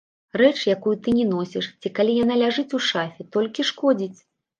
Рэч, якую ты не носіш, ці калі яна ляжыць у шафе, толькі шкодзіць.